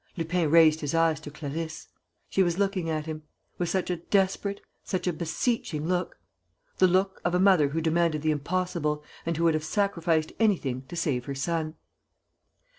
Lupin raised his eyes to Clarisse. She was looking at him ... with such a desperate, such a beseeching look! The look of a mother who demanded the impossible and who would have sacrificed anything to save her son.